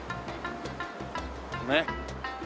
ねっ。